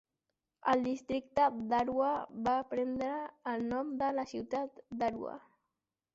El Districte d'Arua va prendre el nom de la ciutat d'Arua.